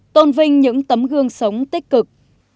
tôn vinh những tấm gương sống tích cực